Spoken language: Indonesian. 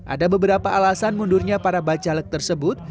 ada beberapa alasan mundurnya para bacalek tersebut